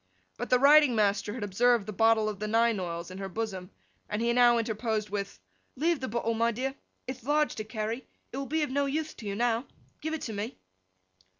But the riding master eye had observed the bottle of the nine oils in her bosom, and he now interposed with 'Leave the bottle, my dear; ith large to carry; it will be of no uthe to you now. Give it to me!